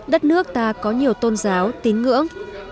đất nước ta có nhiều tôn giáo tín ngưỡng